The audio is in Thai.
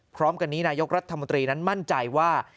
พร้อมกันนี้นายกรัฐมนตรีนั้นมั่นใจว่า